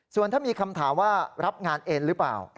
ส่วนถ้ามีคำถามว่ารับงานเอ็นหรือเปล่า